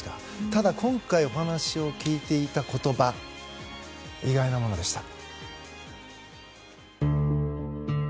ただ、今回お話を聞いていた言葉意外なものでした。